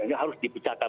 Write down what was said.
yang harus dipecahkan